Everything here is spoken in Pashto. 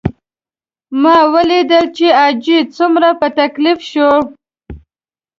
ما ولیدل چې حاجي څومره په تکلیف شول.